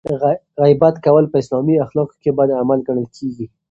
غیبت کول په اسلامي اخلاقو کې بد عمل ګڼل کیږي.